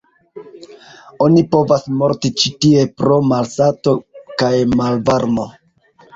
Oni povas morti ĉi tie pro malsato kaj malvarmo.